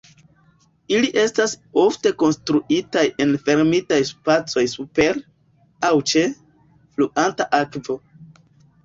Ili estas ofte konstruitaj en fermitaj spacoj super, aŭ ĉe, fluanta akvo.